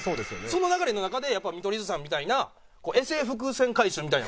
その流れの中でやっぱ見取り図さんみたいなエセ伏線回収みたいな。